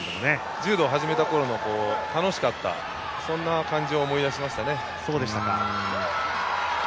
柔道を始めたころの楽しかった、そんな感じを思い出しましたね。